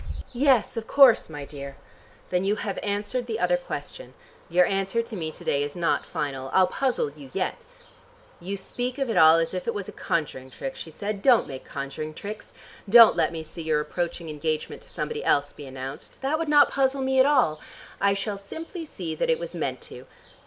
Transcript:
"Yes, of course, my dear." "Then you have answered the other question. Your answer to me to day is not final. I'll puzzle you yet." "You speak of it all as if it was a conjuring trick," she said. "Don't make conjuring tricks. Don't let me see your approaching engagement to somebody else be announced. That would not puzzle me at all. I shall simply see that it was meant to.